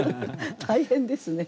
大変ですね。